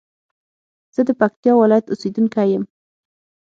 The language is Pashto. زه د پکتيا ولايت اوسېدونکى يم.